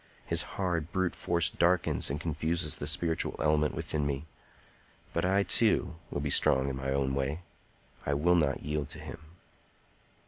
His hard, brute force darkens and confuses the spiritual element within me; but I, too, will be strong in my own way. I will not yield to him."